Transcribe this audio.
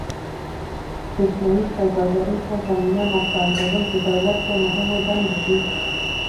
برېښنايي سوداګرۍ ته زمینه مساعدول د دولت له مهمو دندو دي.